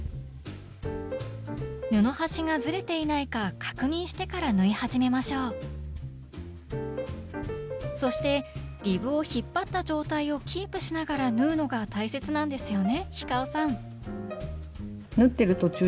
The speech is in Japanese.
布端がずれていないか確認してから縫い始めましょうそしてリブを引っ張った状態をキープしながら縫うのが大切なんですよね？